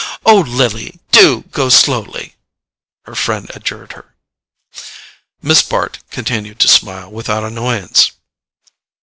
OH, LILY, DO GO SLOWLY," her friend adjured her. Miss Bart continued to smile without annoyance.